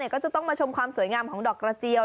ก็จะต้องมาชมความสวยงามของดอกกระเจียว